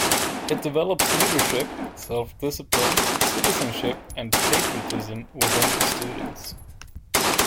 It develops leadership, self-discipline, citizenship, and patriotism within students.